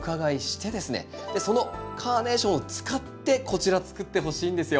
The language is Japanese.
そのカーネーションを使ってこちらつくってほしいんですよ。